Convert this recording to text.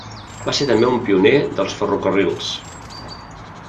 Va ser també un pioner dels ferrocarrils.